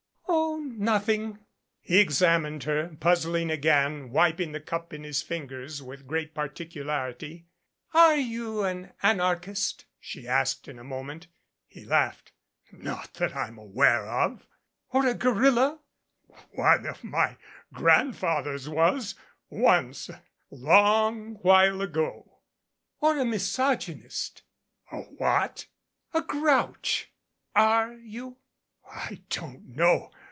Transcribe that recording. "Oh, nothing." He examined her, puzzling again, wiping the cup in his fingers with great particularity. "Are you an anarchist?" she asked in a moment. He laughed. "Not that I'm aware of." "Or a gorilla?" "One of my grandfathers was once a long while ago." "Or a misogynist?" "A what?" "A grouch. Are you?" "I don't know.